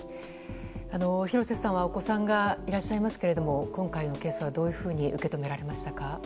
廣瀬さんはお子さんがいらっしゃいますけど今回のケースはどういうふうに受け止められましたか？